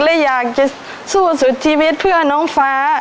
และอยากจะสู้สุดชีวิตเพื่อน้องฟ้า